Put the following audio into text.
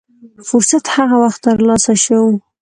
فرصت هغه وخت تر لاسه شو.